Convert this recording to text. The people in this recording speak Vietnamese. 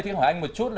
thì hỏi anh một chút